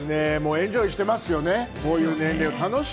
エンジョイしてますね。